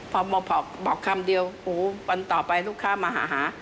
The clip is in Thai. พอบอกคำเดียววันต่อไปลูกค้ามาหา